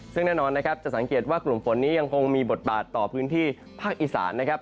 ซึ่งแน่นอนนะครับจะสังเกตว่ากลุ่มฝนนี้ยังคงมีบทบาทต่อพื้นที่ภาคอีสานนะครับ